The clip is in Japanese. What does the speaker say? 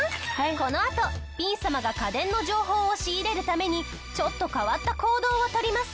このあとピン様が家電の情報を仕入れるためにちょっと変わった行動をとります。